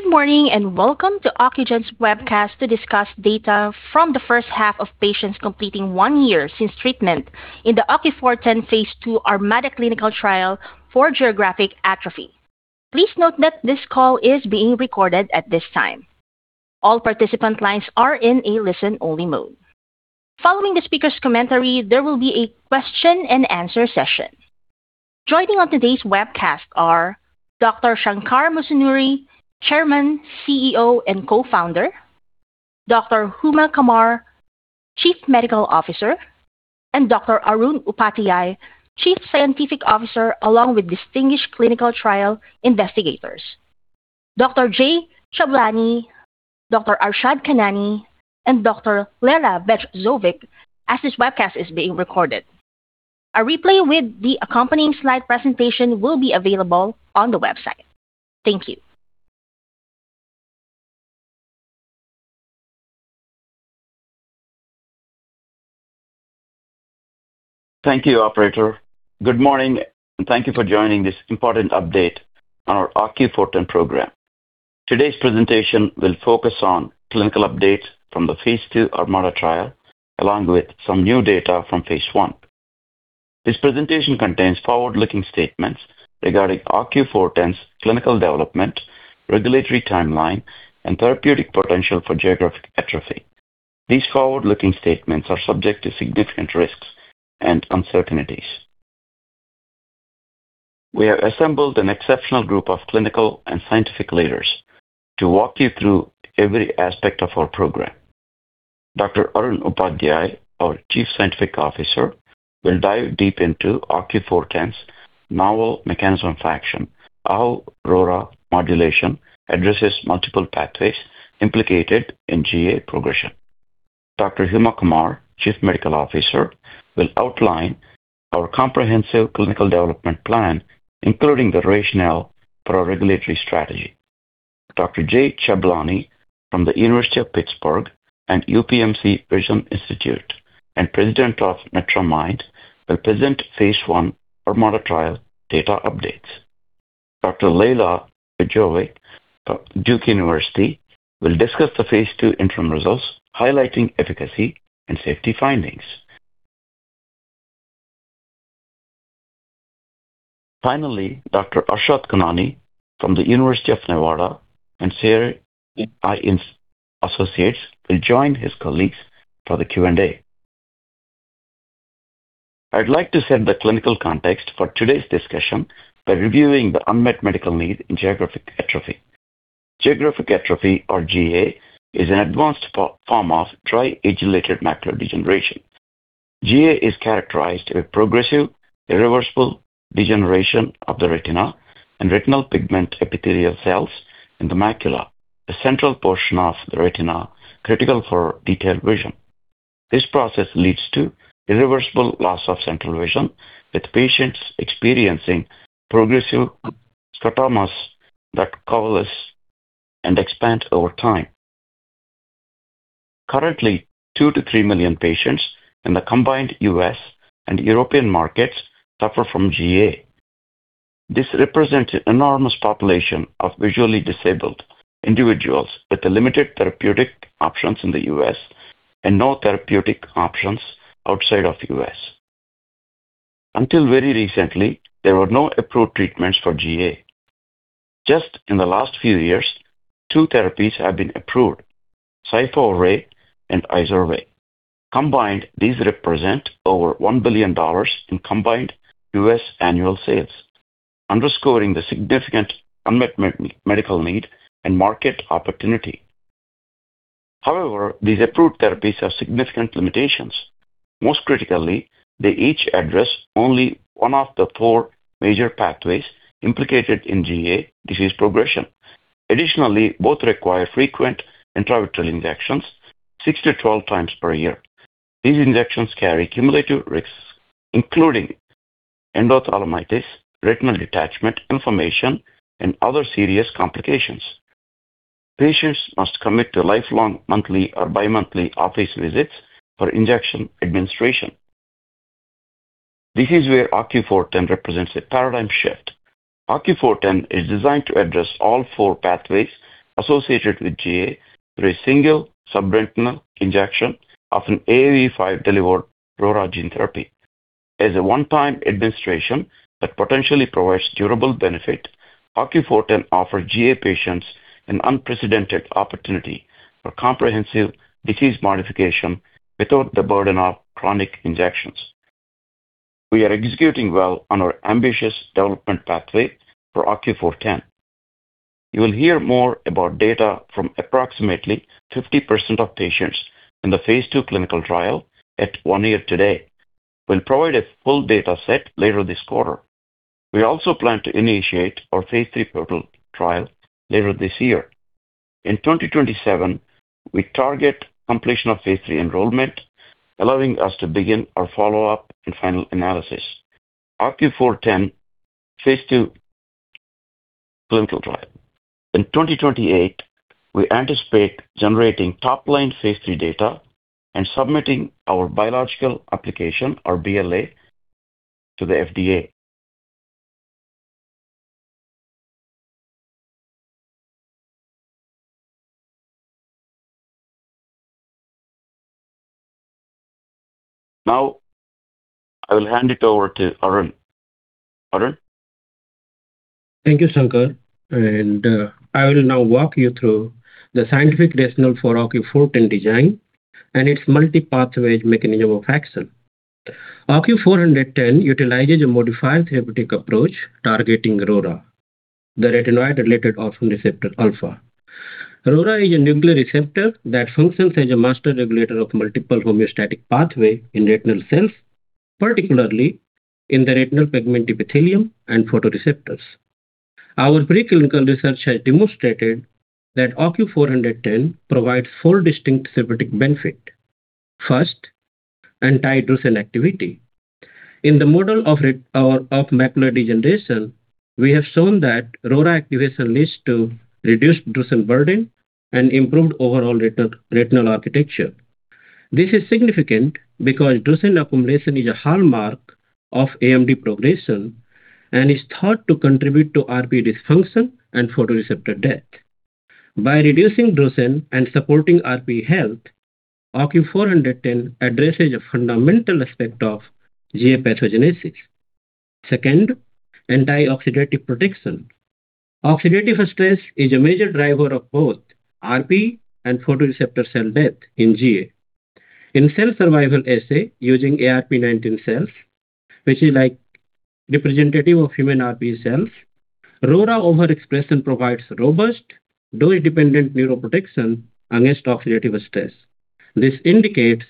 Good morning and welcome to Ocugen's webcast to discuss data from the first half of patients completing one year since treatment in the OCU410 phase II ArMaDa clinical trial for geographic atrophy. Please note that this call is being recorded at this time. All participant lines are in a listen-only mode. Following the speaker's commentary, there will be a question-and-answer session. Joining on today's webcast are Dr. Shankar Musunuri, Chairman, CEO, and Co-founder, Dr. Huma Qamar, Chief Medical Officer, and Dr. Arun Upadhyay, Chief Scientific Officer, along with distinguished clinical trial investigators: Dr. Jay Chablani, Dr. Arshad Khanani, and Dr. Lejla Vajzovic. As this webcast is being recorded, a replay with the accompanying slide presentation will be available on the website. Thank you. Thank you, Operator. Good morning and thank you for joining this important update on our OCU410 program. Today's presentation will focus on clinical updates from the phase II ArMaDa trial, along with some new data from phase I. This presentation contains forward-looking statements regarding OCU410's clinical development, regulatory timeline, and therapeutic potential for geographic atrophy. These forward-looking statements are subject to significant risks and uncertainties. We have assembled an exceptional group of clinical and scientific leaders to walk you through every aspect of our program. Dr. Arun Upadhyay, our Chief Scientific Officer, will dive deep into OCU410's novel mechanism of action, how RORA modulation addresses multiple pathways implicated in GA progression. Dr. Huma Qamar, Chief Medical Officer, will outline our comprehensive clinical development plan, including the rationale for our regulatory strategy. Dr. Jay Chablani from the University of Pittsburgh and UPMC Vision Institute, and President of NetraMind, will present phase I ArMaDa trial data updates. Dr. Lejla Vajzovic, Duke University, will discuss the phase II interim results, highlighting efficacy and safety findings. Finally, Dr. Arshad Khanani from the University of Nevada, Reno and Sierra Eye Associates will join his colleagues for the Q&A. I'd like to set the clinical context for today's discussion by reviewing the unmet medical need in geographic atrophy. Geographic atrophy, or GA, is an advanced form of dry age-related macular degeneration. GA is characterized by progressive, irreversible degeneration of the retina and retinal pigment epithelial cells in the macula, the central portion of the retina critical for detailed vision. This process leads to irreversible loss of central vision, with patients experiencing progressive scotomas that coalesce and expand over time. Currently, two to three million patients in the combined U.S. and European markets suffer from GA. This represents an enormous population of visually disabled individuals with limited therapeutic options in the U.S. and no therapeutic options outside of the U.S. Until very recently, there were no approved treatments for GA. Just in the last few years, two therapies have been approved: Syfovre and Izervay. Combined, these represent over $1 billion in combined U.S. annual sales, underscoring the significant unmet medical need and market opportunity. However, these approved therapies have significant limitations. Most critically, they each address only one of the four major pathways implicated in GA disease progression. Additionally, both require frequent intravitreal injections, six to 12 times per year. These injections carry cumulative risks, including endophthalmitis, retinal detachment, inflammation, and other serious complications. Patients must commit to lifelong monthly or bi-monthly office visits for injection administration. This is where OCU410 represents a paradigm shift. OCU410 is designed to address all four pathways associated with GA through a single subretinal injection of an AAV5-delivered RORA gene therapy. As a one-time administration that potentially provides durable benefit, OCU410 offers GA patients an unprecedented opportunity for comprehensive disease modification without the burden of chronic injections. We are executing well on our ambitious development pathway for OCU410. You will hear more about data from approximately 50% of patients in the phase II clinical trial at one year today. We'll provide a full data set later this quarter. We also plan to initiate our phase III pivotal trial later this year. In 2027, we target completion of phase III enrollment, allowing us to begin our follow-up and final analysis. OCU410 phase II clinical trial. In 2028, we anticipate generating top-line phase III data and submitting our Biologics Application, or BLA, to the FDA. Now, I will hand it over to Arun. Arun. Thank you, Shankar. And I will now walk you through the scientific rationale for OCU410 design and its multi-pathway mechanism of action. OCU410 utilizes a modified therapeutic approach targeting RORA, the retinoid-related orphan receptor alpha. RORA is a nuclear receptor that functions as a master regulator of multiple homeostatic pathways in retinal cells, particularly in the retinal pigment epithelium and photoreceptors. Our preclinical research has demonstrated that OCU410 provides four distinct therapeutic benefits. First, anti-drusen activity. In the model of macular degeneration, we have shown that RORA activation leads to reduced drusen burden and improved overall retinal architecture. This is significant because drusen accumulation is a hallmark of AMD progression and is thought to contribute to RPE dysfunction and photoreceptor death. By reducing drusen and supporting RP health, OCU410 addresses a fundamental aspect of GA pathogenesis. Second, anti-oxidative protection. Oxidative stress is a major driver of both RPE and photoreceptor cell death in GA. In cell survival assay using ARPE-19 cells, which is like representative of human RPE cells, RORA overexpression provides robust dose-dependent neuroprotection against oxidative stress. This indicates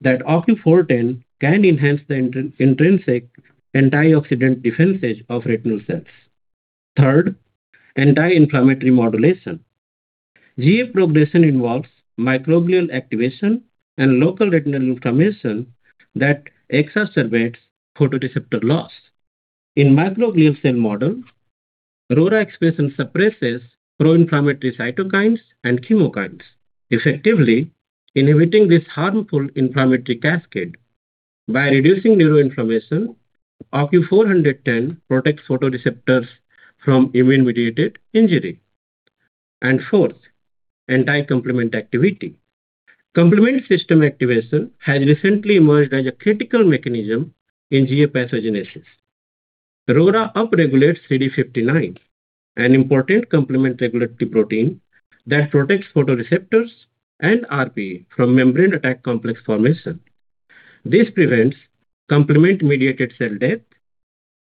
that OCU410 can enhance the intrinsic antioxidant defenses of retinal cells. Third, anti-inflammatory modulation. GA progression involves microglial activation and local retinal inflammation that exacerbates photoreceptor loss. In microglial cell model, RORA expression suppresses pro-inflammatory cytokines and chemokines, effectively inhibiting this harmful inflammatory cascade. By reducing neuroinflammation, OCU410 protects photoreceptors from immune-mediated injury. And fourth, anti-complement activity. Complement system activation has recently emerged as a critical mechanism in GA pathogenesis. RORA upregulates CD59, an important complement regulatory protein that protects photoreceptors and RPE from membrane attack complex formation. This prevents complement-mediated cell death,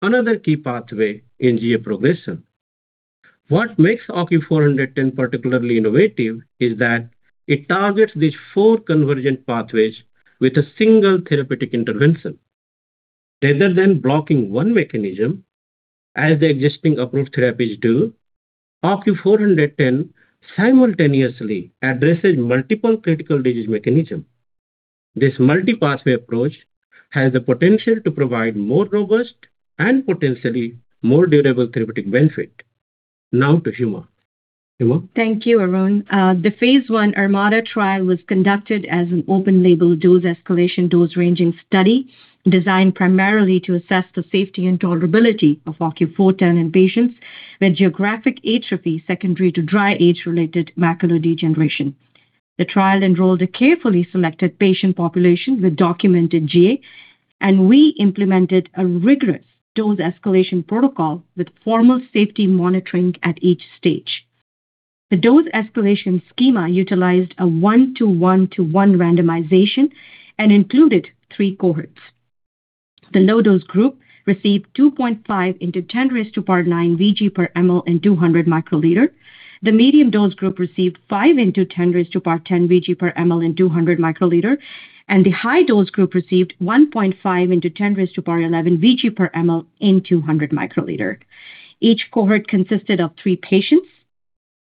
another key pathway in GA progression. What makes OCU410 particularly innovative is that it targets these four convergent pathways with a single therapeutic intervention. Rather than blocking one mechanism, as the existing approved therapies do, OCU410 simultaneously addresses multiple critical disease mechanisms. This multi-pathway approach has the potential to provide more robust and potentially more durable therapeutic benefit. Now to Huma. Huma. Thank you, Arun. The phase I ArMaDa trial was conducted as an open-label dose-escalation dose-ranging study designed primarily to assess the safety and tolerability of OCU410 in patients with geographic atrophy secondary to dry age-related macular degeneration. The trial enrolled a carefully selected patient population with documented GA, and we implemented a rigorous dose-escalation protocol with formal safety monitoring at each stage. The dose-escalation schema utilized a 1:1:1 randomization and included three cohorts. The low-dose group received 2.5 × 10^9 VG per mL in 200 μL. The medium-dose group received 5 × 10^10 VG per mL in 200 μL, and the high-dose group received 1.5 × 10^11 VG per mL in 200 μL. Each cohort consisted of three patients.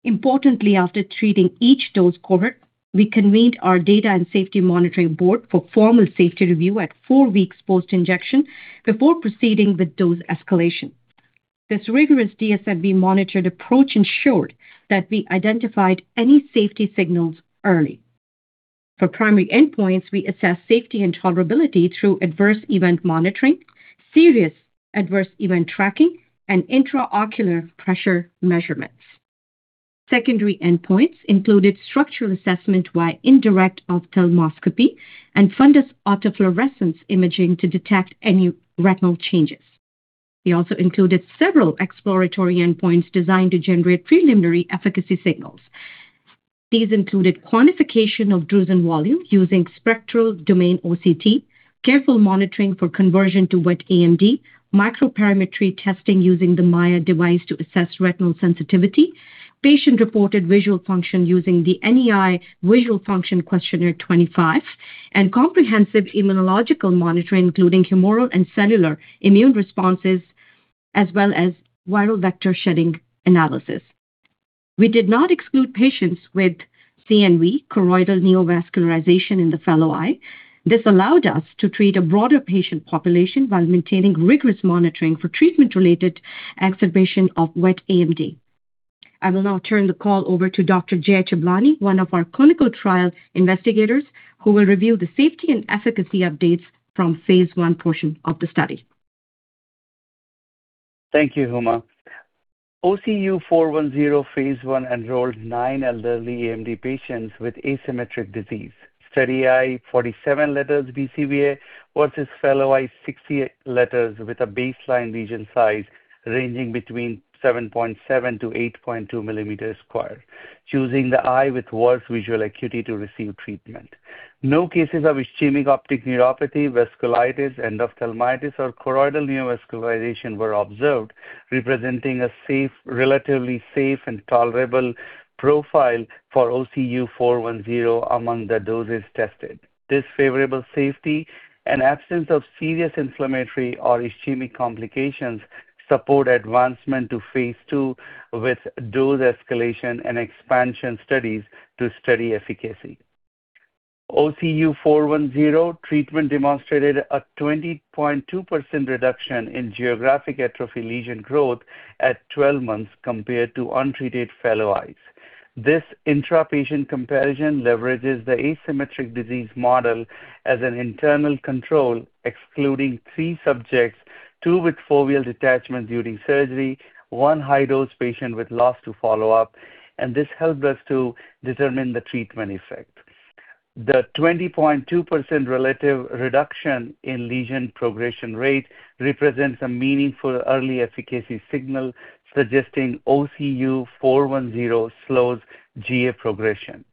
Importantly, after treating each dose cohort, we convened our data and safety monitoring board for formal safety review at four weeks post-injection before proceeding with dose escalation. This rigorous DSMB-monitored approach ensured that we identified any safety signals early. For primary endpoints, we assessed safety and tolerability through adverse event monitoring, serious adverse event tracking, and intraocular pressure measurements. Secondary endpoints included structural assessment via indirect ophthalmoscopy and fundus autofluorescence imaging to detect any retinal changes. We also included several exploratory endpoints designed to generate preliminary efficacy signals. These included quantification of drusen volume using spectral domain OCT, careful monitoring for conversion to wet AMD, microperimetry testing using the MAIA device to assess retinal sensitivity, patient-reported visual function using the NEI Visual Function Questionnaire 25, and comprehensive immunological monitoring, including humoral and cellular immune responses, as well as viral vector shedding analysis. We did not exclude patients with CNV, choroidal neovascularization, in the fellow eye. This allowed us to treat a broader patient population while maintaining rigorous monitoring for treatment-related exacerbation of wet AMD. I will now turn the call over to Dr. Jay Chablani, one of our clinical trial investigators, who will review the safety and efficacy updates from phase I portion of the study. Thank you, Huma. OCU410 phase I enrolled nine elderly AMD patients with asymmetric disease. Study eye 47 letters VCVA versus fellow eye 68 letters with a baseline lesion size ranging between 7.7-8.2 square, choosing the eye with worse visual acuity to receive treatment. No cases of ischemic optic neuropathy, vasculitis, endophthalmitis, or choroidal neovascularization were observed, representing a relatively safe and tolerable profile for OCU410 among the doses tested. This favorable safety and absence of serious inflammatory or ischemic complications support advancement to phase II with dose escalation and expansion studies to study efficacy. OCU410 treatment demonstrated a 20.2% reduction in geographic atrophy lesion growth at 12 months compared to untreated fellow eyes. This intrapatient comparison leverages the asymmetric disease model as an internal control, excluding three subjects: two with foveal detachment during surgery, one high-dose patient with loss to follow-up, and this helped us to determine the treatment effect. The 20.2% relative reduction in lesion progression rate represents a meaningful early efficacy signal suggesting OCU410 slows GA progression.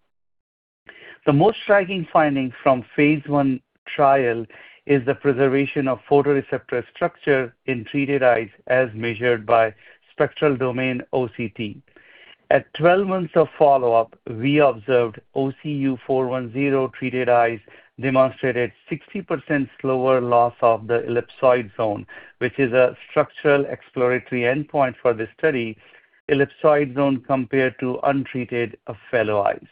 The most striking finding from phase I trial is the preservation of photoreceptor structure in treated eyes as measured by spectral domain OCT. At 12 months of follow-up, we observed OCU410 treated eyes demonstrated 60% slower loss of the ellipsoid zone, which is a structural exploratory endpoint for the study, ellipsoid zone compared to untreated fellow eyes.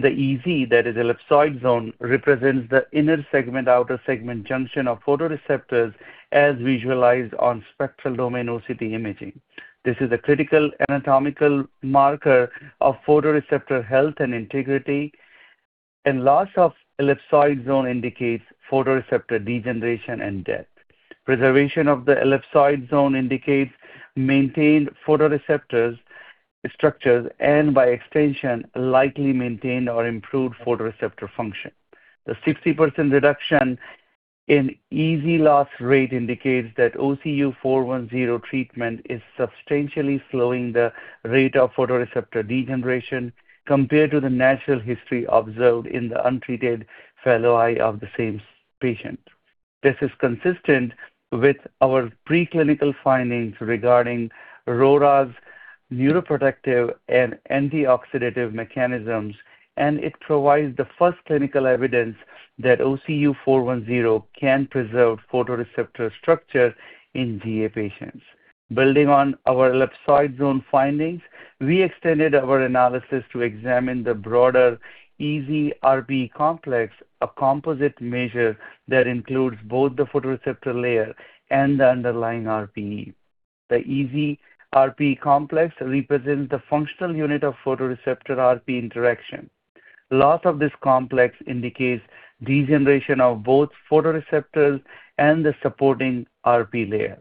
The EZ, that is ellipsoid zone, represents the inner segment-outer segment junction of photoreceptors as visualized on spectral domain OCT imaging. This is a critical anatomical marker of photoreceptor health and integrity, and loss of ellipsoid zone indicates photoreceptor degeneration and death. Preservation of the ellipsoid zone indicates maintained photoreceptor structures and, by extension, likely maintained or improved photoreceptor function. The 60% reduction in EZ loss rate indicates that OCU410 treatment is substantially slowing the rate of photoreceptor degeneration compared to the natural history observed in the untreated fellow eye of the same patient. This is consistent with our preclinical findings regarding RORA's neuroprotective and antioxidative mechanisms, and it provides the first clinical evidence that OCU410 can preserve photoreceptor structure in GA patients. Building on our ellipsoid zone findings, we extended our analysis to examine the broader EZ-RPE complex, a composite measure that includes both the photoreceptor layer and the underlying RPE. The EZ-RPE complex represents the functional unit of photoreceptor-RPE interaction. Loss of this complex indicates degeneration of both photoreceptors and the supporting RPE layer.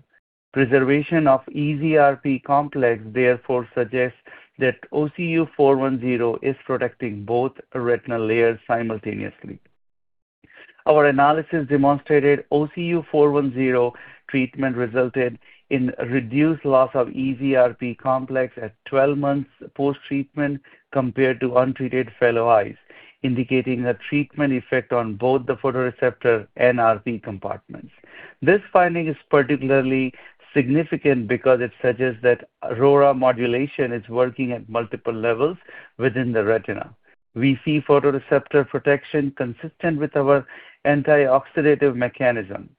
Preservation of EZ-RPE complex, therefore, suggests that OCU410 is protecting both retinal layers simultaneously. Our analysis demonstrated OCU410 treatment resulted in reduced loss of EZ-RPE complex at 12 months post-treatment compared to untreated fellow eyes, indicating a treatment effect on both the photoreceptor and RPE compartments. This finding is particularly significant because it suggests that RORA modulation is working at multiple levels within the retina. We see photoreceptor protection consistent with our antioxidative mechanism.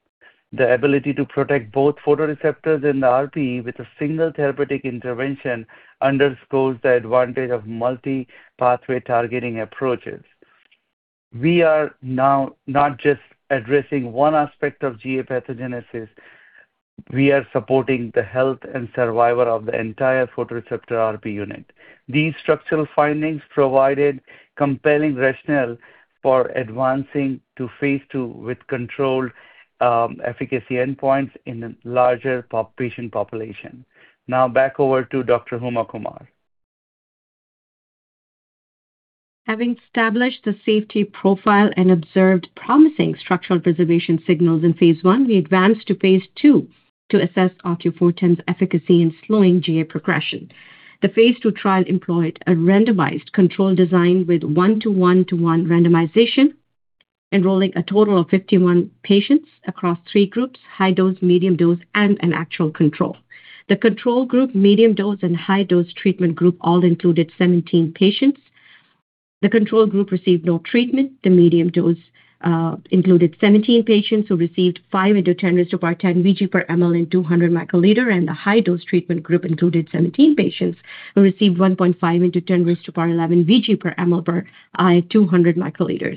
The ability to protect both photoreceptors and the RPE with a single therapeutic intervention underscores the advantage of multi-pathway targeting approaches. We are now not just addressing one aspect of GA pathogenesis. We are supporting the health and survival of the entire photoreceptor-RPE unit. These structural findings provided compelling rationale for advancing to phase II with controlled efficacy endpoints in a larger patient population. Now, back over to Dr. Huma Qamar. Having established the safety profile and observed promising structural preservation signals in phase I, we advanced to phase II to assess OCU410's efficacy in slowing GA progression. The phase II trial employed a randomized control design with 1:1:1 randomization, enrolling a total of 51 patients across three groups: high dose, medium dose, and an actual control. The control group, medium dose, and high dose treatment group all included 17 patients. The control group received no treatment. The medium dose included 17 patients who received 5 × 10^10 VG per mL in 200 μL, and the high dose treatment group included 17 patients who received 1.5 × 10^11 VG per mL per eye in 200 μL.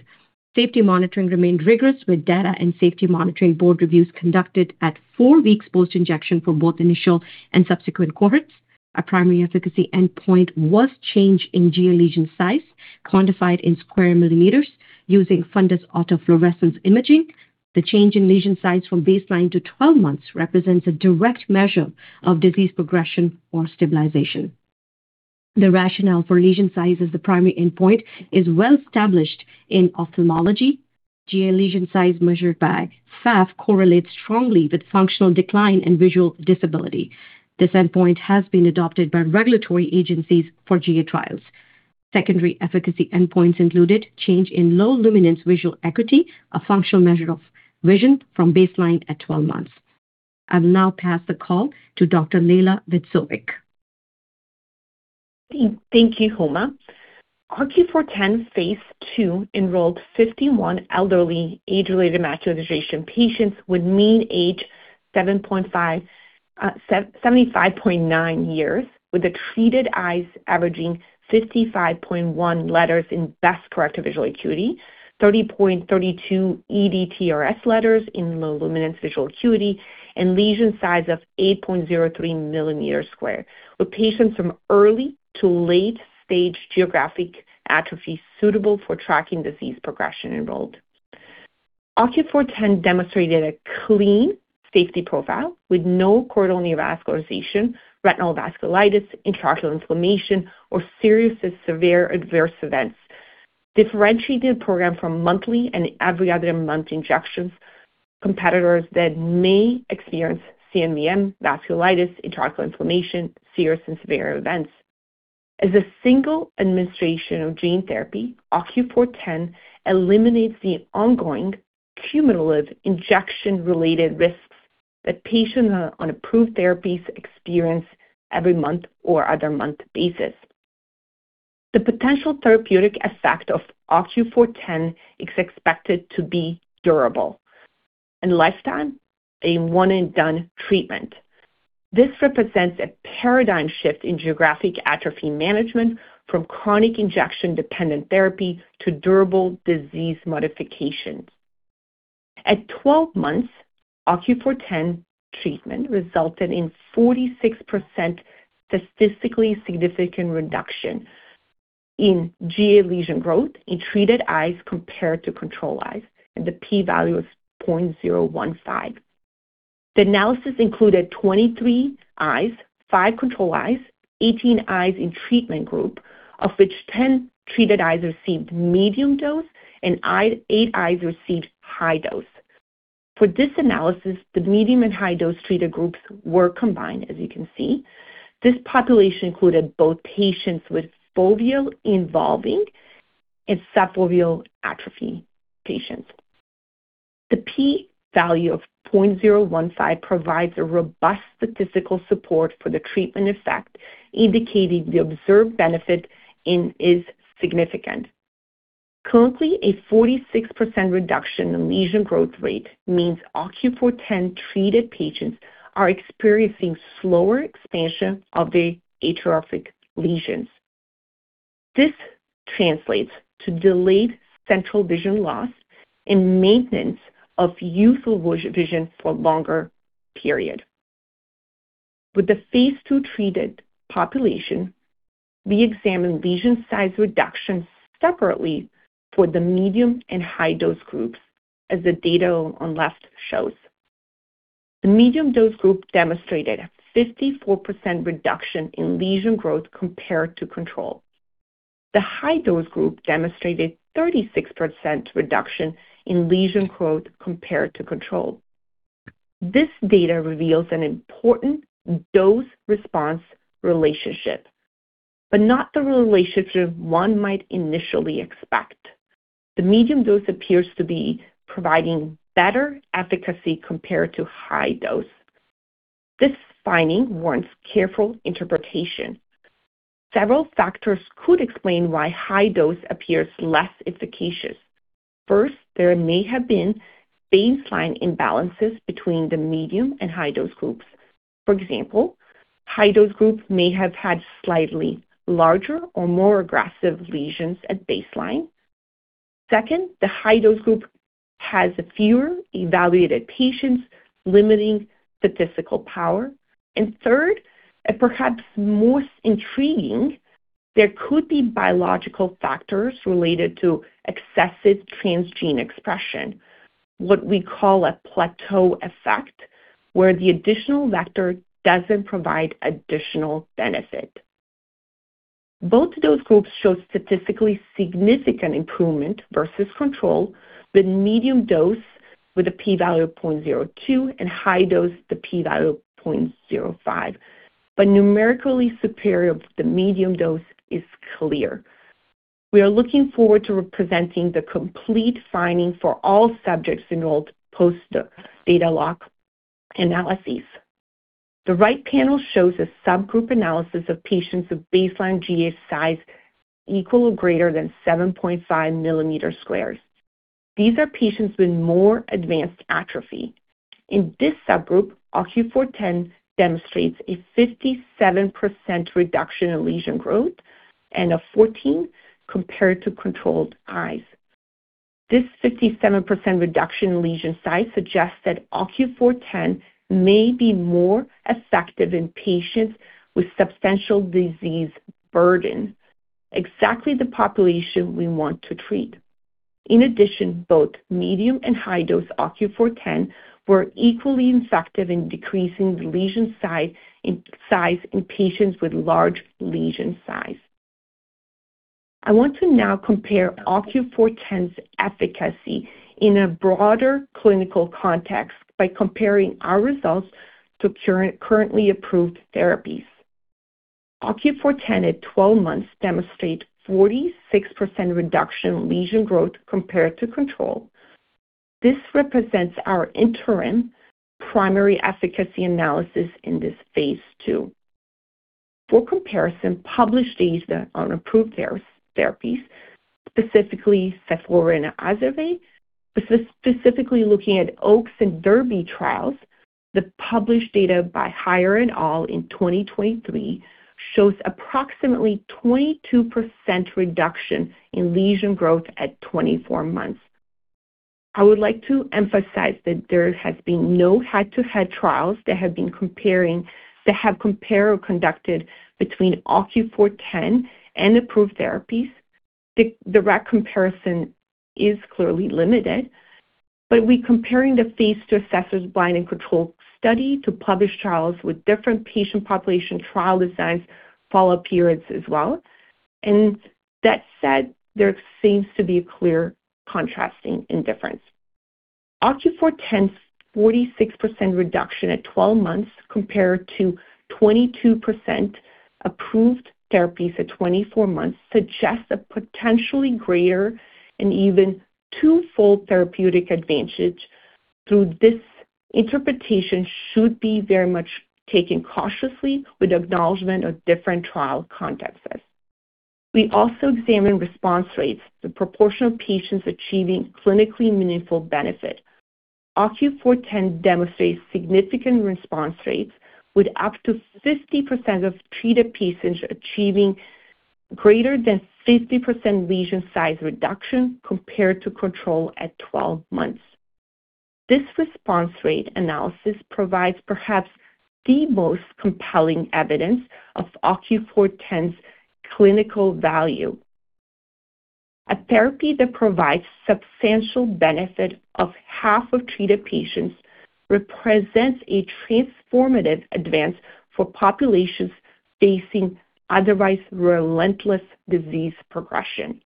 Safety monitoring remained rigorous with data and safety monitoring board reviews conducted at four weeks post-injection for both initial and subsequent cohorts. A primary efficacy endpoint was change in GA lesion size quantified in square millimeters using fundus autofluorescence imaging. The change in lesion size from baseline to 12 months represents a direct measure of disease progression or stabilization. The rationale for lesion size as the primary endpoint is well established in ophthalmology. GA lesion size measured by FAF correlates strongly with functional decline and visual disability. This endpoint has been adopted by regulatory agencies for GA trials. Secondary efficacy endpoints included change in low luminance visual acuity, a functional measure of vision from baseline at 12 months. I will now pass the call to Dr. Lejla Vajzovic. Thank you, Huma. OCU410 phase II enrolled 51 elderly age-related macular degeneration patients with mean age 75.9 years, with the treated eyes averaging 55.1 letters in best-corrected visual acuity, 30.32 ETDRS letters in low luminance visual acuity, and lesion size of 8.03 sq mm, with patients from early to late-stage geographic atrophy suitable for tracking disease progression enrolled. OCU410 demonstrated a clean safety profile with no choroidal neovascularization, retinal vasculitis, intraocular inflammation, or serious to severe adverse events. Differentiated program from monthly and every other month injections competitors that may experience CNVM, vasculitis, intraocular inflammation, serious and severe events. As a single administration of gene therapy, OCU410 eliminates the ongoing cumulative injection-related risks that patients on approved therapies experience every month or other month basis. The potential therapeutic effect of OCU410 is expected to be durable in lifetime and one-and-done treatment. This represents a paradigm shift in geographic atrophy management from chronic injection-dependent therapy to durable disease modifications. At 12 months, OCU410 treatment resulted in 46% statistically significant reduction in GA lesion growth in treated eyes compared to control eyes, and the P-value was 0.015. The analysis included 23 eyes, five control eyes, 18 eyes in treatment group, of which 10 treated eyes received medium dose and eight eyes received high dose. For this analysis, the medium and high-dose treated groups were combined, as you can see. This population included both patients with foveal involving and subfoveal atrophy patients. The P-value of 0.015 provides a robust statistical support for the treatment effect, indicating the observed benefit is significant. Currently, a 46% reduction in lesion growth rate means OCU410 treated patients are experiencing slower expansion of the atrophic lesions. This translates to delayed central vision loss and maintenance of useful vision for a longer period. With the phase II treated population, we examined lesion size reduction separately for the medium and high-dose groups, as the data on the left shows. The medium dose group demonstrated a 54% reduction in lesion growth compared to control. The high-dose group demonstrated 36% reduction in lesion growth compared to control. This data reveals an important dose-response relationship, but not the relationship one might initially expect. The medium dose appears to be providing better efficacy compared to high dose. This finding warrants careful interpretation. Several factors could explain why high dose appears less efficacious. First, there may have been baseline imbalances between the medium and high-dose groups. For example, high-dose groups may have had slightly larger or more aggressive lesions at baseline. Second, the high-dose group has fewer evaluated patients, limiting statistical power. Third, and perhaps most intriguing, there could be biological factors related to excessive transgene expression, what we call a plateau effect, where the additional vector doesn't provide additional benefit. Both of those groups show statistically significant improvement versus control with medium dose with a P-value of 0.02 and high dose with a P-value of 0.05, but numerically superior to the medium dose is clear. We are looking forward to presenting the complete findings for all subjects enrolled post-data lock analyses. The right panel shows a subgroup analysis of patients with baseline GA size equal or greater than 7.5 sq. These are patients with more advanced atrophy. In this subgroup, OCU410 demonstrates a 57% reduction in lesion growth and a 14% compared to controlled eyes. This 57% reduction in lesion size suggests that OCU410 may be more effective in patients with substantial disease burden, exactly the population we want to treat. In addition, both medium and high-dose OCU410 were equally effective in decreasing the lesion size in patients with large lesion size. I want to now compare OCU410's efficacy in a broader clinical context by comparing our results to currently approved therapies. OCU410 at 12 months demonstrates 46% reduction in lesion growth compared to control. This represents our interim primary efficacy analysis in this phase II. For comparison, published data on approved therapies, specifically Izervay, specifically looking at OAKS and DERBY trials. The published data by Jaffe et al. in 2023 shows approximately 22% reduction in lesion growth at 24 months. I would like to emphasize that there has been no head-to-head trials that have been compared or conducted between OCU410 and approved therapies. The direct comparison is clearly limited, but we're comparing the phase II assessor-blind and controlled study to published trials with different patient population, trial designs, follow-up periods as well, and that said, there seems to be a clear contrasting difference. OCU410's 46% reduction at 12 months compared to 22% approved therapies at 24 months suggests a potentially greater and even twofold therapeutic advantage through this. Interpretation should be very much taken cautiously with acknowledgment of different trial contexts. We also examined response rates, the proportion of patients achieving clinically meaningful benefit. OCU410 demonstrates significant response rates with up to 50% of treated patients achieving greater than 50% lesion size reduction compared to control at 12 months. This response rate analysis provides perhaps the most compelling evidence of OCU410's clinical value. A therapy that provides substantial benefit of half of treated patients represents a transformative advance for populations facing otherwise relentless disease progression.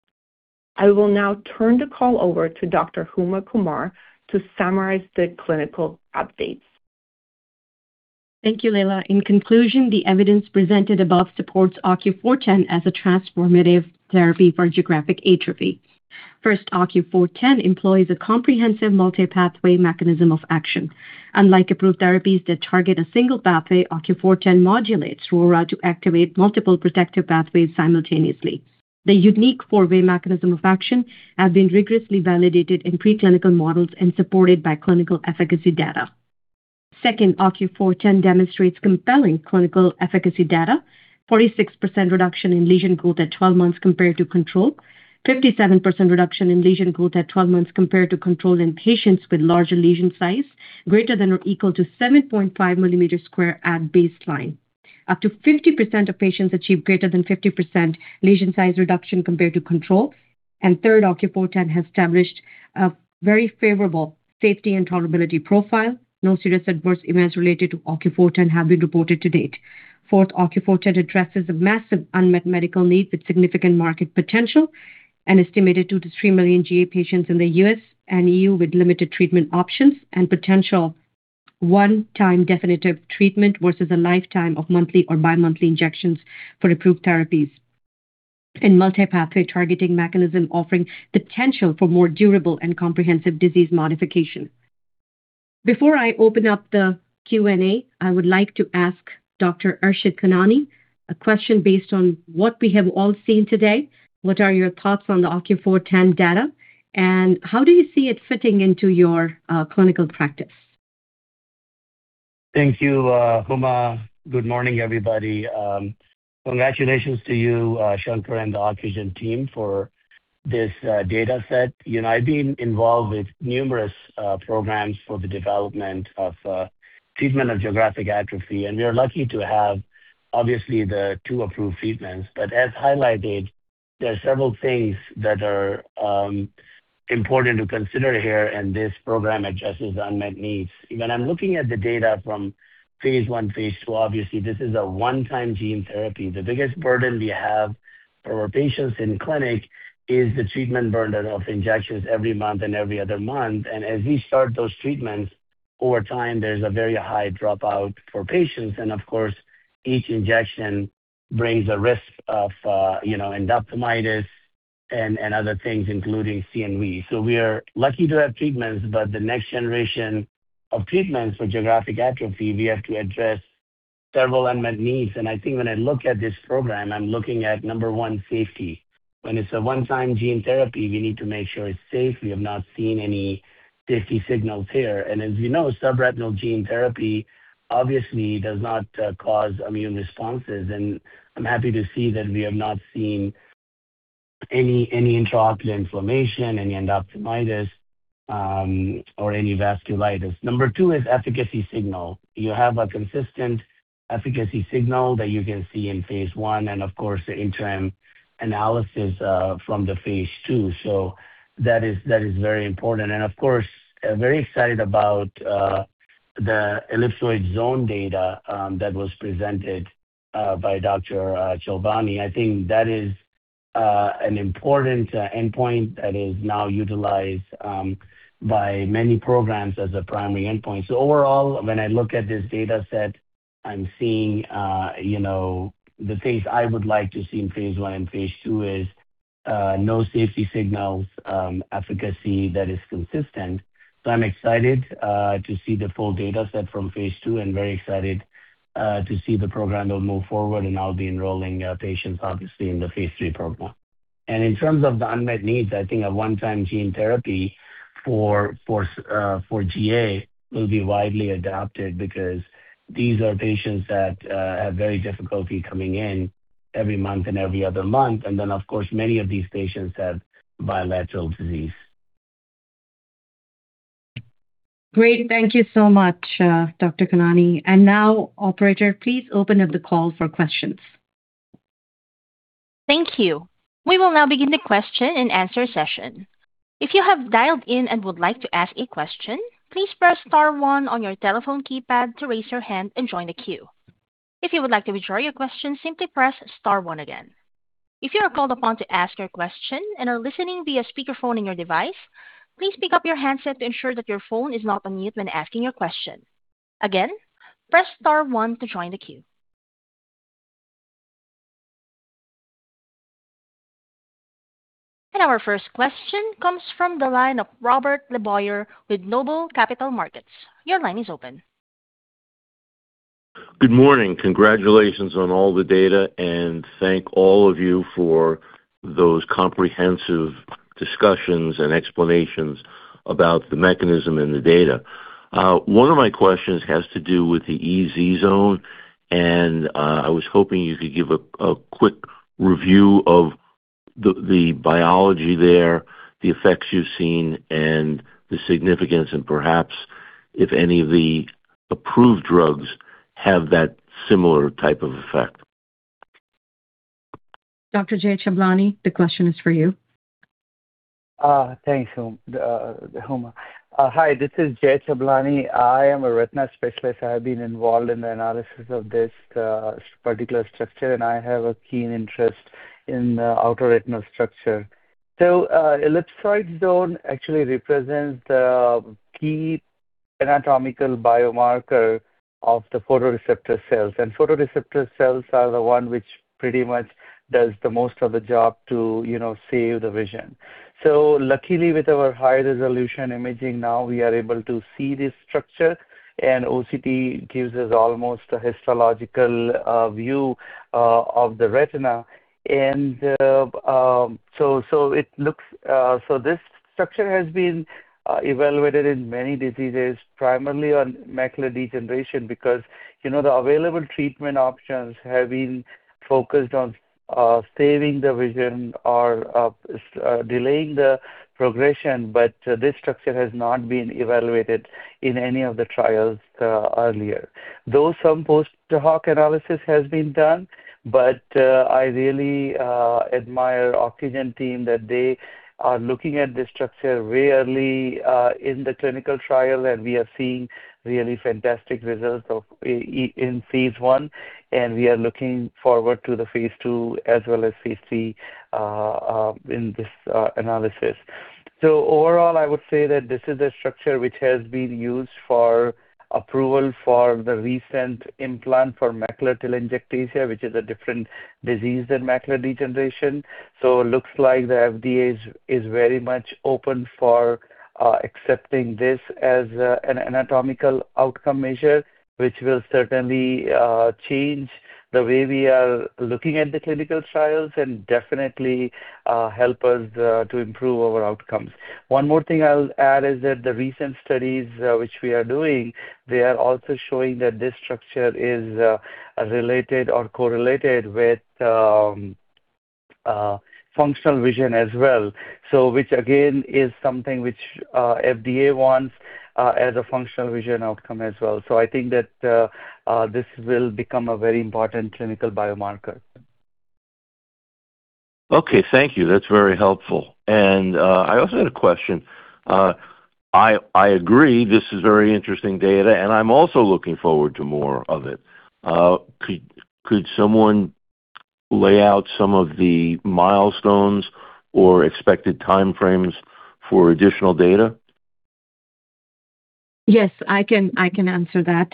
I will now turn the call over to Dr. Huma Qamar to summarize the clinical updates. Thank you, Lejla. In conclusion, the evidence presented above supports OCU410 as a transformative therapy for geographic atrophy. First, OCU410 employs a comprehensive multi-pathway mechanism of action. Unlike approved therapies that target a single pathway, OCU410 modulates RORA to activate multiple protective pathways simultaneously. The unique four-way mechanism of action has been rigorously validated in preclinical models and supported by clinical efficacy data. Second, OCU410 demonstrates compelling clinical efficacy data: 46% reduction in lesion growth at 12 months compared to control, 57% reduction in lesion growth at 12 months compared to control in patients with larger lesion size greater than or equal to 7.5 sq at baseline. Up to 50% of patients achieve greater than 50% lesion size reduction compared to control. And third, OCU410 has established a very favorable safety and tolerability profile. No serious adverse events related to OCU410 have been reported to date. Fourth, OCU410 addresses a massive unmet medical need with significant market potential and estimated two to three million GA patients in the U.S. and E.U. with limited treatment options and potential of one-time definitive treatment versus a lifetime of monthly or bi-monthly injections for approved therapies and multi-pathway targeting mechanism offering potential for more durable and comprehensive disease modification. Before I open up the Q&A, I would like to ask Dr. Arshad Khanani a question based on what we have all seen today. What are your thoughts on the OCU410 data and how do you see it fitting into your clinical practice? Thank you, Huma. Good morning, everybody. Congratulations to you, Shankar and the Ocugen team for this data set. You know, I've been involved with numerous programs for the development of treatment of geographic atrophy, and we are lucky to have, obviously, the two approved treatments. But as highlighted, there are several things that are important to consider here, and this program addresses unmet needs. When I'm looking at the data from phase I, phase II, obviously, this is a one-time gene therapy. The biggest burden we have for our patients in clinic is the treatment burden of injections every month and every other month. And as we start those treatments, over time, there's a very high dropout for patients. And of course, each injection brings a risk of, you know, endophthalmitis and other things, including CNV. So we are lucky to have treatments, but the next generation of treatments for geographic atrophy, we have to address several unmet needs. And I think when I look at this program, I'm looking at, number one, safety. When it's a one-time gene therapy, we need to make sure it's safe. We have not seen any safety signals here. And as we know, subretinal gene therapy obviously does not cause immune responses. And I'm happy to see that we have not seen any intraocular inflammation, any endophthalmitis, or any vasculitis. Number two is efficacy signal. You have a consistent efficacy signal that you can see in phase II and, of course, the interim analysis from the phase II. So that is very important. And of course, I'm very excited about the ellipsoid zone data that was presented by Dr. Vajzovic. I think that is an important endpoint that is now utilized by many programs as a primary endpoint. So overall, when I look at this data set, I'm seeing, you know, the things I would like to see in phase I and phase II is no safety signals, efficacy that is consistent. So I'm excited to see the full data set from phase II and very excited to see the program that will move forward, and I'll be enrolling patients, obviously, in the phase III program. And in terms of the unmet needs, I think a one-time gene therapy for GA will be widely adopted because these are patients that have very difficulty coming in every month and every other month. And then, of course, many of these patients have bilateral disease. Great. Thank you so much, Dr. Khanani. And now, operator, please open up the call for questions. Thank you. We will now begin the question and answer session. If you have dialed in and would like to ask a question, please press star one on your telephone keypad to raise your hand and join the queue. If you would like to withdraw your question, simply press star one again. If you are called upon to ask your question and are listening via speakerphone in your device, please pick up your handset to ensure that your phone is not on mute when asking your question. Again, press star one to join the queue. And our first question comes from the line of Robert LeBoyer with Noble Capital Markets. Your line is open. Good morning. Congratulations on all the data, and thank all of you for those comprehensive discussions and explanations about the mechanism and the data. One of my questions has to do with the EZ zone, and I was hoping you could give a quick review of the biology there, the effects you've seen, and the significance, and perhaps if any of the approved drugs have that similar type of effect. Dr. Jay Chablani, the question is for you. Thanks, Huma. Hi, this is Jay Chablani. I am a retina specialist. I have been involved in the analysis of this particular structure, and I have a keen interest in the outer retinal structure, so ellipsoid zone actually represents the key anatomical biomarker of the photoreceptor cells, and photoreceptor cells are the one which pretty much does the most of the job to, you know, save the vision, so luckily, with our high-resolution imaging, now we are able to see this structure, and OCT gives us almost a histological view of the retina, and so this structure has been evaluated in many diseases, primarily on macular degeneration, because, you know, the available treatment options have been focused on saving the vision or delaying the progression, but this structure has not been evaluated in any of the trials earlier. Though some post-hoc analysis has been done, but I really admire the Ocugen team that they are looking at this structure rarely in the clinical trial, and we are seeing really fantastic results in phase I, and we are looking forward to the phase II as well as phase III in this analysis. So overall, I would say that this is a structure which has been used for approval for the recent implant for macular telangiectasia, which is a different disease than macular degeneration. So it looks like the FDA is very much open for accepting this as an anatomical outcome measure, which will certainly change the way we are looking at the clinical trials and definitely help us to improve our outcomes. One more thing I'll add is that the recent studies which we are doing, they are also showing that this structure is related or correlated with functional vision as well, which again is something which the FDA wants as a functional vision outcome as well. So I think that this will become a very important clinical biomarker. Okay. Thank you. That's very helpful. And I also had a question. I agree. This is very interesting data, and I'm also looking forward to more of it. Could someone lay out some of the milestones or expected timeframes for additional data? Yes, I can answer that.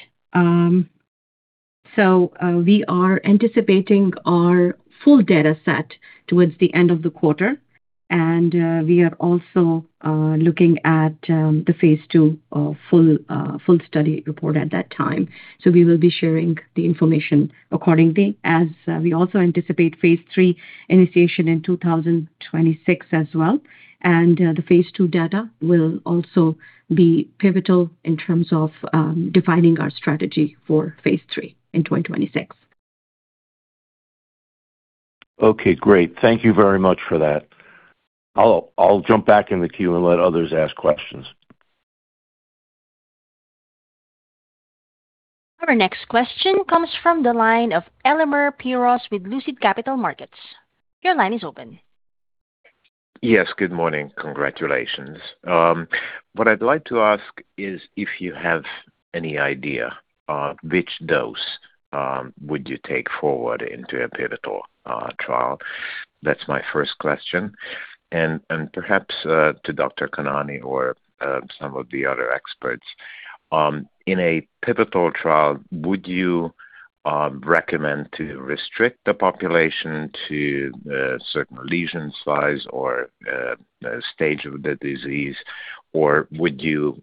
So we are anticipating our full data set towards the end of the quarter, and we are also looking at the phase II full study report at that time. So we will be sharing the information accordingly, as we also anticipate phase III initiation in 2026 as well. And the phase II data will also be pivotal in terms of defining our strategy for phase III in 2026. Okay. Great. Thank you very much for that. I'll jump back in the queue and let others ask questions. Our next question comes from the line of Elemer Piros with Lucid Capital Markets. Your line is open. Yes. Good morning. Congratulations. What I'd like to ask is if you have any idea which dose would you take forward into a pivotal trial? That's my first question. And perhaps to Dr. Khanani or some of the other experts. In a pivotal trial, would you recommend to restrict the population to a certain lesion size or stage of the disease, or would you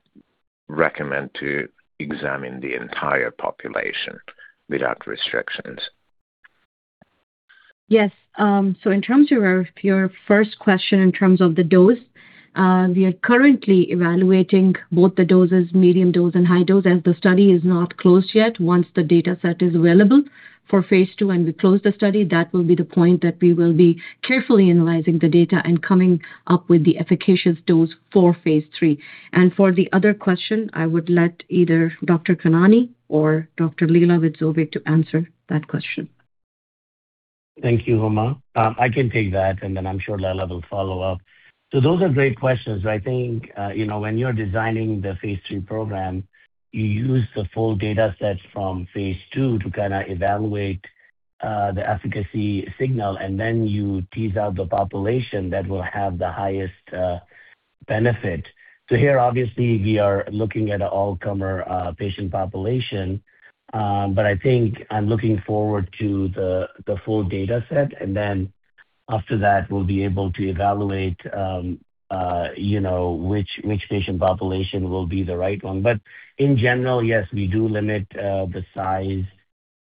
recommend to examine the entire population without restrictions? Yes. So in terms of your first question in terms of the dose, we are currently evaluating both the doses, medium dose and high dose, as the study is not closed yet. Once the data set is available for phase II and we close the study, that will be the point that we will be carefully analyzing the data and coming up with the efficacious dose for phase III. And for the other question, I would let either Dr. Khanani or Dr. Lejla Vajzovic to answer that question. Thank you, Huma. I can take that, and then I'm sure Lejla will follow up, so those are great questions. So I think, you know, when you're designing the phase III program, you use the full data set from phase II to kind of evaluate the efficacy signal, and then you tease out the population that will have the highest benefit, so here, obviously, we are looking at an all-comer patient population, but I think I'm looking forward to the full data set, and then after that, we'll be able to evaluate, you know, which patient population will be the right one. But in general, yes, we do limit the size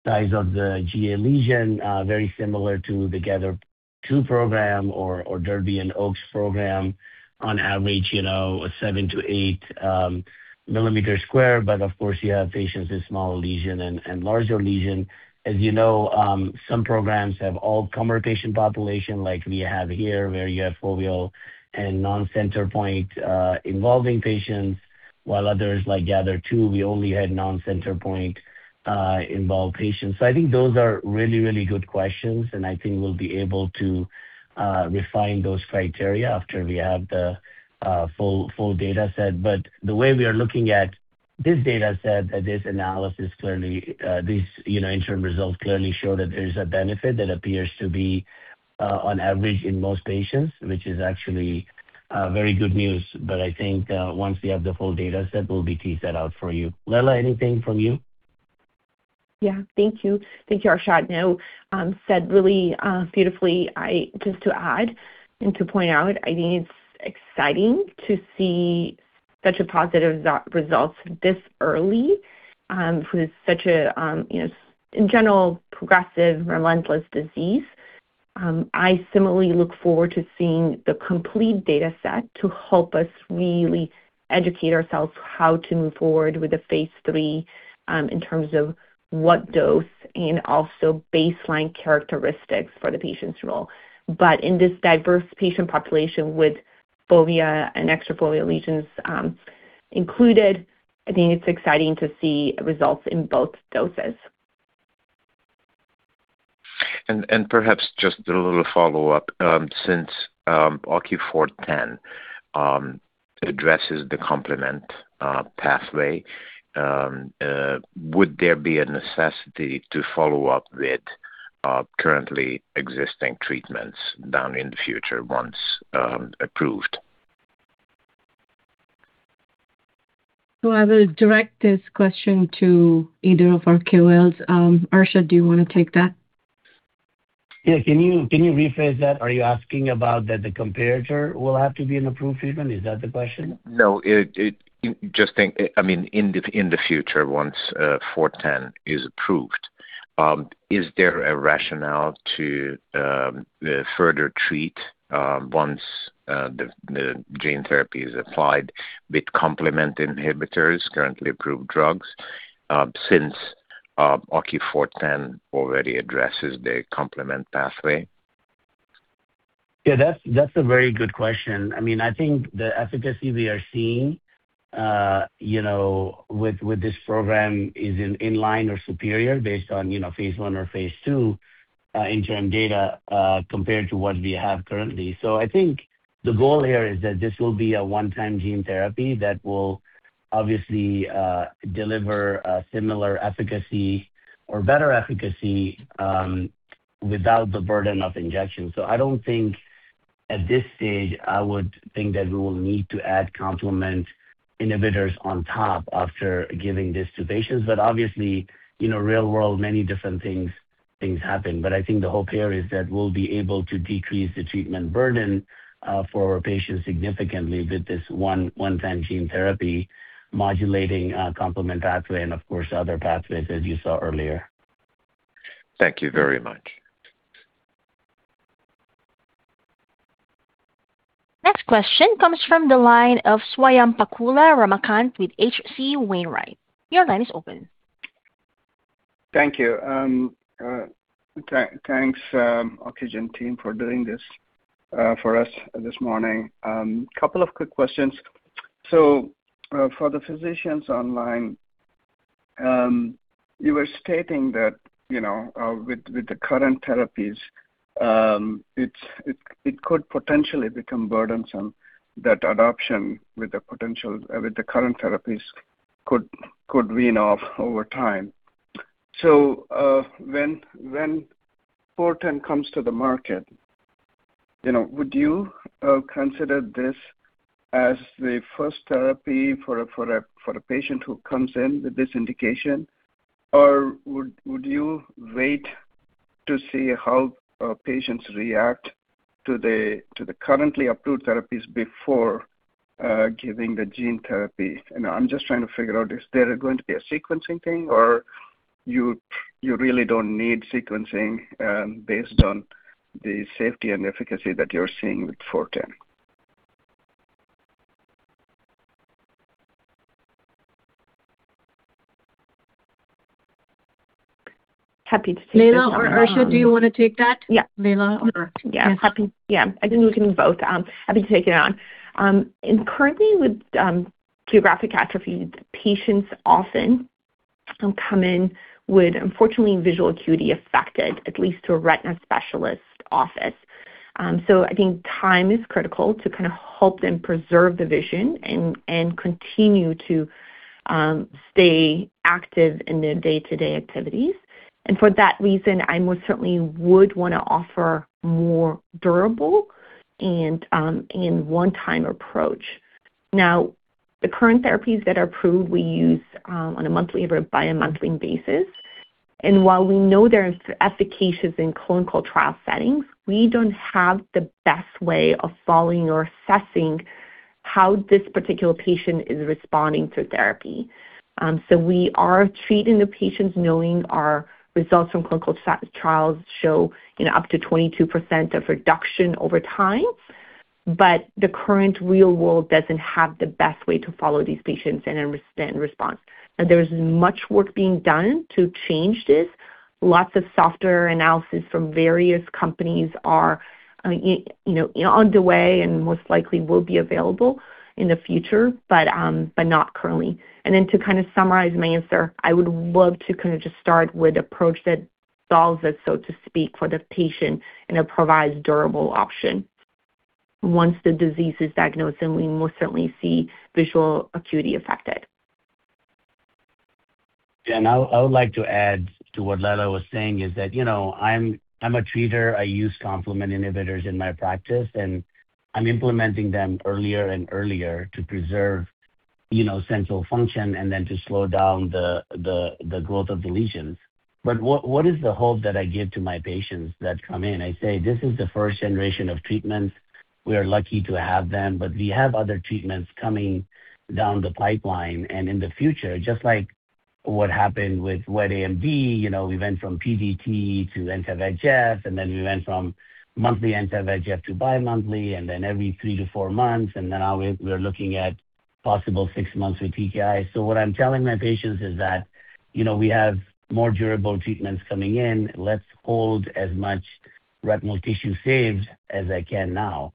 of the GA lesion, very similar to the GATHER2 program or Derby and Oaks program, on average, you know, 7 mm sq-8 mm sq, but of course, you have patients with small lesion and larger lesion. As you know, some programs have all-comer patient population, like we have here, where you have foveal and non-center point involving patients, while others like GATHER2, we only had non-center point involved patients. So I think those are really, really good questions, and I think we'll be able to refine those criteria after we have the full data set. But the way we are looking at this data set, this analysis, clearly, these interim results clearly show that there's a benefit that appears to be on average in most patients, which is actually very good news. But I think once we have the full data set, we'll tease that out for you. Lejla, anything from you? Yeah. Thank you. Thank you, Arshad. Now, said really beautifully. Just to add and to point out, I think it's exciting to see such positive results this early for such a, you know, in general, progressive, relentless disease. I similarly look forward to seeing the complete data set to help us really educate ourselves how to move forward with the phase III in terms of what dose and also baseline characteristics for the patient's role. But in this diverse patient population with foveal and extrafoveal lesions included, I think it's exciting to see results in both doses. Perhaps just a little follow-up. Since OCU410 addresses the complement pathway, would there be a necessity to follow up with currently existing treatments down in the future once approved? So I will direct this question to either of our QAs. Arshad, do you want to take that? Yeah. Can you rephrase that? Are you asking about that the comparator will have to be an approved treatment? Is that the question? No. Just think, I mean, in the future, once OCU410 is approved, is there a rationale to further treat once the gene therapy is applied with complement inhibitors, currently approved drugs, since OCU410 already addresses the complement pathway? Yeah. That's a very good question. I mean, I think the efficacy we are seeing, you know, with this program is in line or superior based on, you know, phase I or phase II interim data compared to what we have currently. So I think the goal here is that this will be a one-time gene therapy that will obviously deliver similar efficacy or better efficacy without the burden of injection. So I don't think at this stage, I would think that we will need to add complement inhibitors on top after giving this to patients. But obviously, you know, real world, many different things happen. But I think the hope here is that we'll be able to decrease the treatment burden for our patients significantly with this one-time gene therapy modulating complement pathway and, of course, other pathways, as you saw earlier. Thank you very much. Next question comes from the line of Ramakanth Swayampakula with H.C. Wainwright. Your line is open. Thank you. Thanks, Ocugen team, for doing this for us this morning. A couple of quick questions. So for the physicians online, you were stating that, you know, with the current therapies, it could potentially become burdensome, that adoption with the potential with the current therapies could wean off over time. So when 410 comes to the market, you know, would you consider this as the first therapy for a patient who comes in with this indication, or would you wait to see how patients react to the currently approved therapies before giving the gene therapy? And I'm just trying to figure out, is there going to be a sequencing thing, or you really don't need sequencing based on the safety and efficacy that you're seeing with 410? Happy to take that. Lejla or Arshad, do you want to take that? Yeah. Lejla or Arshad? Yeah, happy to take it on. And currently, with geographic atrophy, patients often come in with, unfortunately, visual acuity affected, at least to a retina specialist's office. So I think time is critical to kind of help them preserve the vision and continue to stay active in their day-to-day activities. And for that reason, I most certainly would want to offer more durable and one-time approach. Now, the current therapies that are approved, we use on a monthly or bi-monthly basis. And while we know they're efficacious in clinical trial settings, we don't have the best way of following or assessing how this particular patient is responding to therapy. So we are treating the patients knowing our results from clinical trials show, you know, up to 22% of reduction over time, but the current real world doesn't have the best way to follow these patients and respond. And there's much work being done to change this. Lots of software analysis from various companies are, you know, underway and most likely will be available in the future, but not currently. And then to kind of summarize my answer, I would love to kind of just start with an approach that solves it, so to speak, for the patient, and it provides a durable option. Once the disease is diagnosed, then we most certainly see visual acuity affected. Yeah. And I would like to add to what Lejla was saying is that, you know, I'm a treater. I use complement inhibitors in my practice, and I'm implementing them earlier and earlier to preserve, you know, central function and then to slow down the growth of the lesions. But what is the hope that I give to my patients that come in? I say, "This is the first generation of treatments. We are lucky to have them, but we have other treatments coming down the pipeline." And in the future, just like what happened with wet AMD, you know, we went from PDT to anti-VEGF, and then we went from monthly anti-VEGF to bi-monthly, and then every three to four months, and then now we're looking at possible six months with TKI. So what I'm telling my patients is that, you know, we have more durable treatments coming in. Let's hold as much retinal tissue saved as I can now.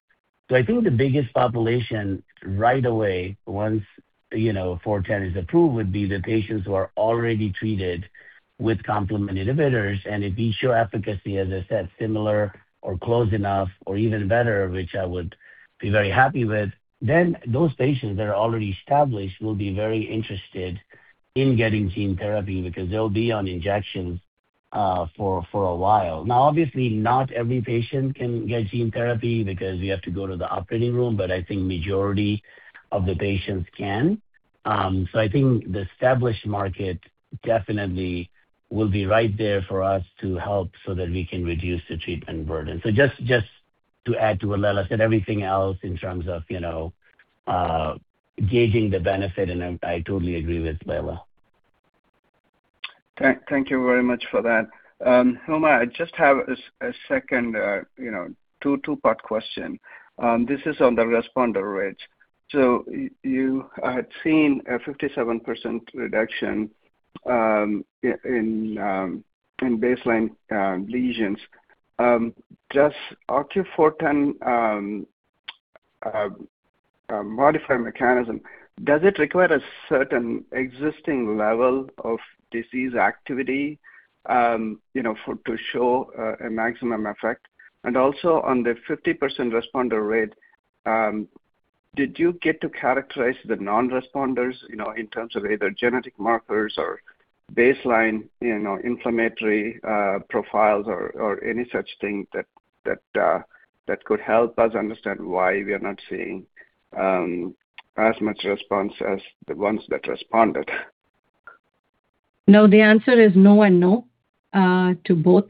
So I think the biggest population right away, once, you know, 410 is approved, would be the patients who are already treated with complement inhibitors. And if we show efficacy, as I said, similar or close enough or even better, which I would be very happy with, then those patients that are already established will be very interested in getting gene therapy because they'll be on injections for a while. Now, obviously, not every patient can get gene therapy because we have to go to the operating room, but I think the majority of the patients can. So I think the established market definitely will be right there for us to help so that we can reduce the treatment burden. So, just to add to what Lejla said, everything else in terms of, you know, gauging the benefit, and I totally agree with Lejla. Thank you very much for that. Huma, I just have a second, you know, two-part question. This is on the responder rate. So you had seen a 57% reduction in baseline lesions. Does OCU410 modify the mechanism? Does it require a certain existing level of disease activity, you know, to show a maximum effect? And also on the 50% responder rate, did you get to characterize the non-responders, you know, in terms of either genetic markers or baseline, you know, inflammatory profiles or any such thing that could help us understand why we are not seeing as much response as the ones that responded? No, the answer is no and no to both,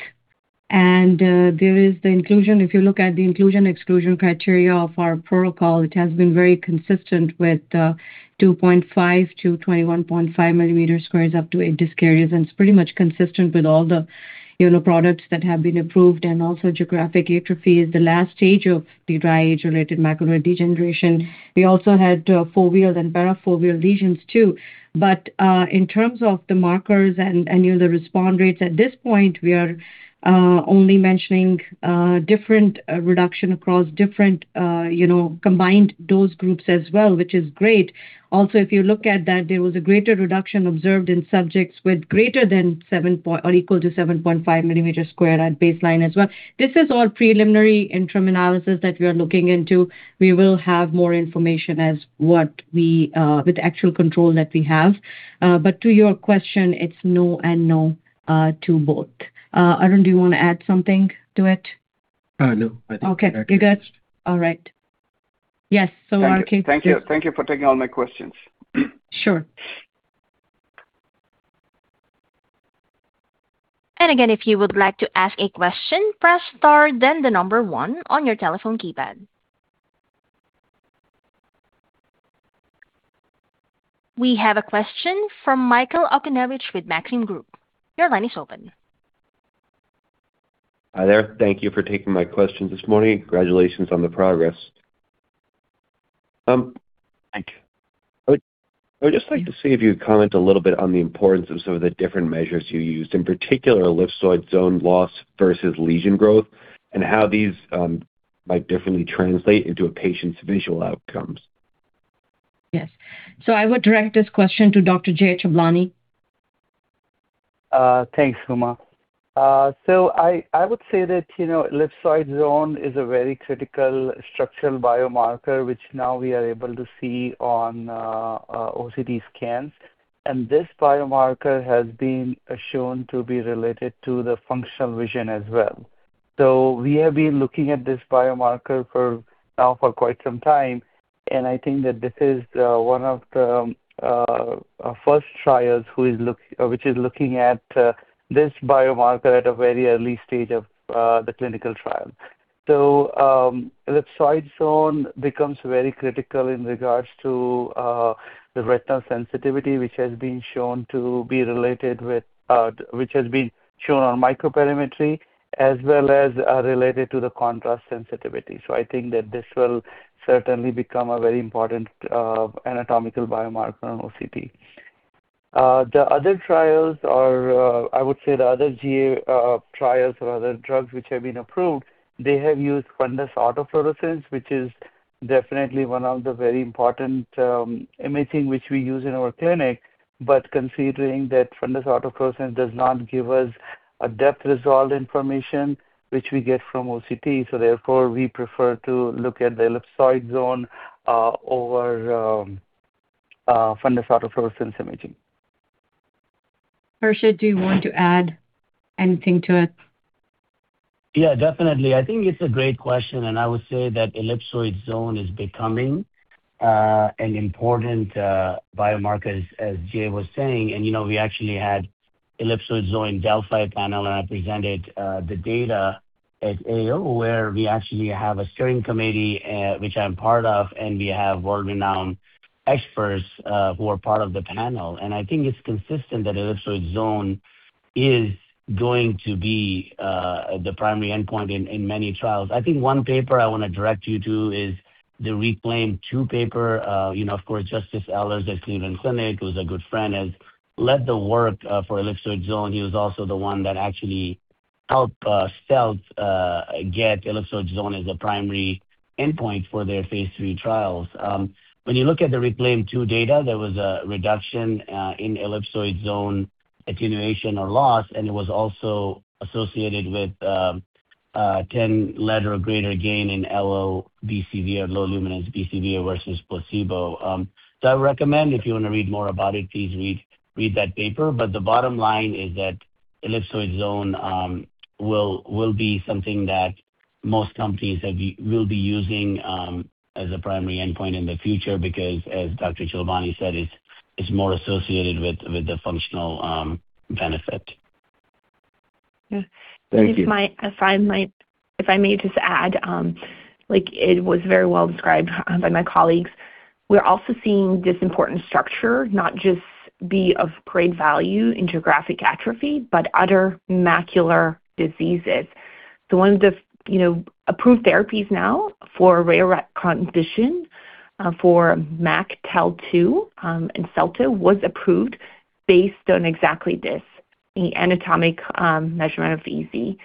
and there is the inclusion. If you look at the inclusion-exclusion criteria of our protocol, it has been very consistent with 2.5 mm sq-21.5 mm sq up to 80 scales, and it's pretty much consistent with all the, you know, products that have been approved. And also, geographic atrophy is the last stage of the dry age-related macular degeneration. We also had foveal and parafoveal lesions too. But in terms of the markers and, you know, the response rates, at this point, we are only mentioning different reduction across different, you know, combined dose groups as well, which is great. Also, if you look at that, there was a greater reduction observed in subjects with greater than 7 or equal to 7.5 mm sq at baseline as well. This is all preliminary interim analysis that we are looking into. We will have more information as to what we do with the actual control that we have. But to your question, it's no and no to both. Arun, do you want to add something to it? No. I think we're good. Okay. You're good? All right. Yes. So our case. Thank you. Thank you for taking all my questions. Sure. Again, if you would like to ask a question, press star, then the number one on your telephone keypad. We have a question from Michael Okunewitch with Maxim Group. Your line is open. Hi there. Thank you for taking my questions this morning. Congratulations on the progress. Thank you. I would just like to see if you'd comment a little bit on the importance of some of the different measures you used, in particular, ellipsoid zone loss versus lesion growth, and how these might differently translate into a patient's visual outcomes. Yes. So I would direct this question to Dr. Jay Chablani. Thanks, Huma. So I would say that, you know, ellipsoid zone is a very critical structural biomarker, which now we are able to see on OCT scans. And this biomarker has been shown to be related to the functional vision as well. So we have been looking at this biomarker for now for quite some time, and I think that this is one of the first trials who is looking at this biomarker at a very early stage of the clinical trial. So ellipsoid zone becomes very critical in regards to the retinal sensitivity, which has been shown to be related, which has been shown on microperimetry, as well as related to the contrast sensitivity. So I think that this will certainly become a very important anatomical biomarker on OCT. The other trials are, I would say, the other trials or other drugs which have been approved. They have used fundus autofluorescence, which is definitely one of the very important imaging which we use in our clinic. But considering that fundus autofluorescence does not give us a depth-resolved information, which we get from OCT, so therefore we prefer to look at the ellipsoid zone over fundus autofluorescence imaging. Arshad, do you want to add anything to it? Yeah, definitely. I think it's a great question, and I would say that ellipsoid zone is becoming an important biomarker, as Jay was saying. And, you know, we actually had ellipsoid zone in Delphi panel, and I presented the data at AAO, where we actually have a steering committee, which I'm part of, and we have world-renowned experts who are part of the panel. And I think it's consistent that ellipsoid zone is going to be the primary endpoint in many trials. I think one paper I want to direct you to is the ReCLAIM-2 paper. You know, of course, Justis Ehlers at Cleveland Clinic, who's a good friend, has led the work for ellipsoid zone. He was also the one that actually helped Stealth get ellipsoid zone as a primary endpoint for their phase III trials. When you look at the ReCLAIM-2 data, there was a reduction in ellipsoid zone attenuation or loss, and it was also associated with 10-letter greater gain in LLVA or low-luminance BCVA versus placebo. So I recommend, if you want to read more about it, please read that paper. But the bottom line is that ellipsoid zone will be something that most companies will be using as a primary endpoint in the future because, as Dr. Chablani said, it's more associated with the functional benefit. Yeah. Thank you. And if I may just add, like, it was very well described by my colleagues. We're also seeing this important structure not just be of great value in geographic atrophy, but other macular diseases. So one of the, you know, approved therapies now for rare condition for MacTel Type 2, and Stealth was approved based on exactly this: the anatomic measurement of EZ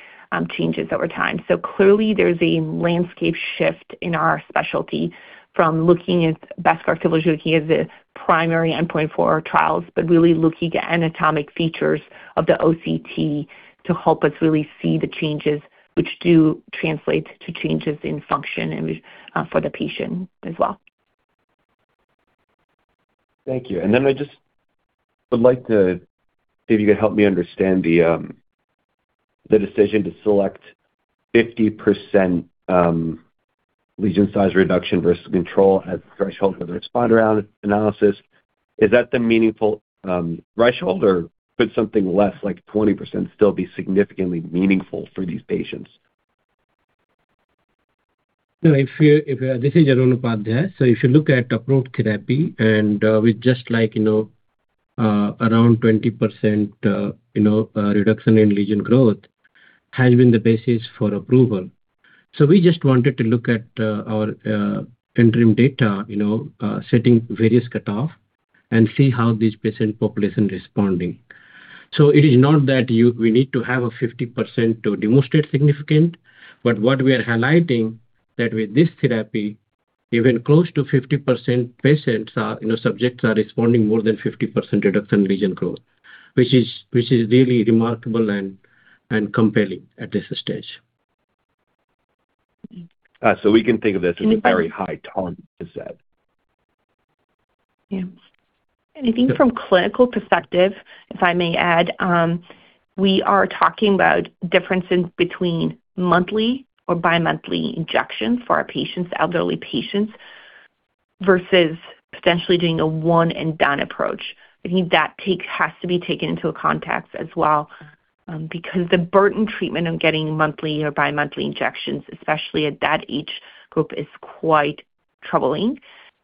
changes over time. So clearly, there's a landscape shift in our specialty from looking at best corrected visual acuity, looking at the primary endpoint for our trials, but really looking at anatomic features of the OCT to help us really see the changes, which do translate to changes in function for the patient as well. Thank you. And then I just would like to see if you could help me understand the decision to select 50% lesion size reduction versus control as the threshold for the responder analysis. Is that the meaningful threshold, or could something less like 20% still be significantly meaningful for these patients? So if you're making a decision on the path, yes, so if you look at approved therapy, and with just like, you know, around 20%, you know, reduction in lesion growth has been the basis for approval. So we just wanted to look at our interim data, you know, setting various cutoffs and see how this patient population is responding. So it is not that we need to have a 50% to demonstrate significance, but what we are highlighting is that with this therapy, even close to 50% patients, you know, subjects are responding more than 50% reduction in lesion growth, which is really remarkable and compelling at this stage. So we can think of this as a very high target to set. Yeah. Anything from a clinical perspective, if I may add, we are talking about differences between monthly or bi-monthly injections for our patients, elderly patients, versus potentially doing a one-and-done approach. I think that has to be taken into context as well because the treatment burden on getting monthly or bi-monthly injections, especially at that age group, is quite troubling,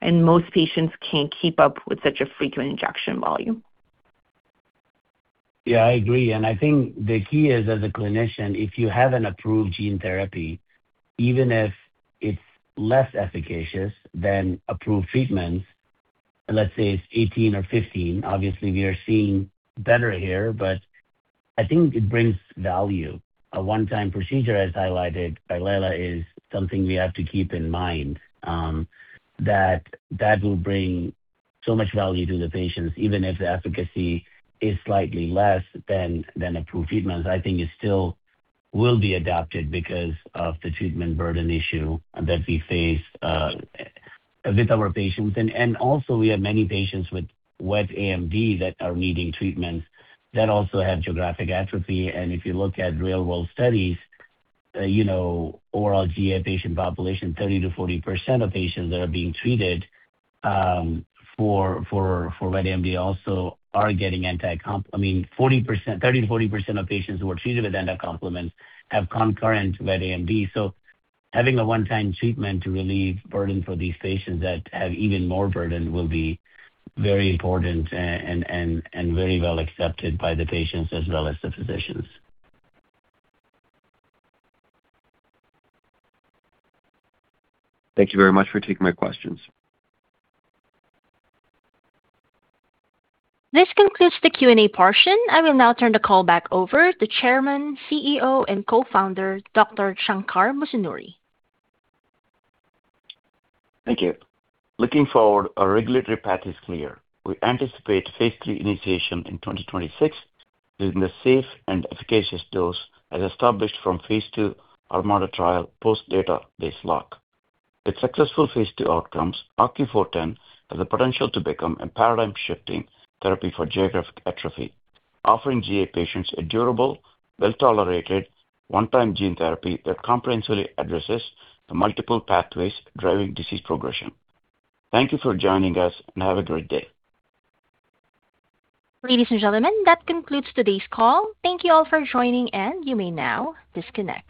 and most patients can't keep up with such a frequent injection volume. Yeah, I agree. And I think the key is, as a clinician, if you have an approved gene therapy, even if it is less efficacious than approved treatments, let's say it is 18 or 15, obviously, we are seeing better here, but I think it brings value. A one-time procedure, as highlighted by Lejla, is something we have to keep in mind that that will bring so much value to the patients, even if the efficacy is slightly less than approved treatments. I think it still will be adopted because of the treatment burden issue that we face with our patients. We also have many patients with wet AMD that are needing treatments that also have geographic atrophy. If you look at real-world studies, you know, overall GA patient population, 30%-40% of patients that are being treated for wet AMD also are getting anti-complements. I mean, 30%-40% of patients who are treated with anti-complements have concurrent wet AMD. So having a one-time treatment to relieve burden for these patients that have even more burden will be very important and very well accepted by the patients as well as the physicians. Thank you very much for taking my questions. This concludes the Q&A portion. I will now turn the call back over to the Chairman, CEO, and Co-founder, Dr. Shankar Musunuri. Thank you. Looking forward, our regulatory path is clear. We anticipate phase III initiation in 2026 using the safe and efficacious dose as established from Phase II ArMaDa trial post-database lock. With successful phase II outcomes, OCU410 has the potential to become a paradigm-shifting therapy for geographic atrophy, offering GA patients a durable, well-tolerated, one-time gene therapy that comprehensively addresses the multiple pathways driving disease progression. Thank you for joining us, and have a great day. Ladies and gentlemen, that concludes today's call. Thank you all for joining, and you may now disconnect.